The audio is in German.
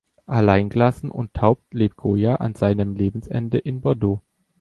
Alleingelassen und taub lebt Goya an seinem Lebensende in Bordeaux.